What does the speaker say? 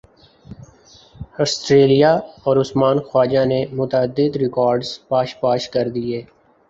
سٹریلیا اور عثمان خواجہ نے متعدد ریکارڈز پاش پاش کر دیے